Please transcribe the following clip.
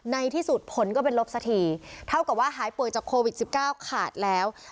ในที่สุดผลก็เป็นลบสักทีเท่ากับว่าหายป่วยจากโควิด๑๙ขาดแล้ว